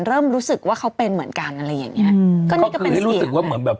เริ่มรู้สึกว่าเขาเป็นเหมือนกันอะไรอย่างเงี้ยอืมก็นี่ก็เป็นที่รู้สึกว่าเหมือนแบบ